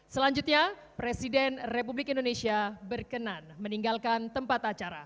selanjutnya presiden republik indonesia berkenan meninggalkan tempat acara